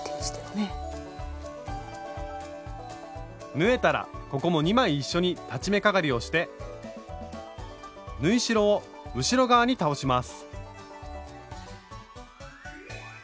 縫えたらここも２枚一緒に裁ち目かがりをして縫い代を後ろ側に倒します。